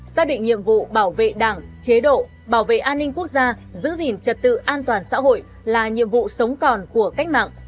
xác định nhiệm vụ bảo vệ đảng chế độ bảo vệ an ninh quốc gia giữ gìn trật tự an toàn xã hội là nhiệm vụ sống còn của cách mạng